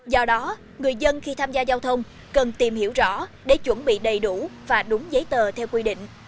do đó người dân khi tham gia giao thông cần tìm hiểu rõ để chuẩn bị đầy đủ và đúng giấy tờ theo quy định